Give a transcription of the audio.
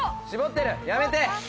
絞ってるやめて！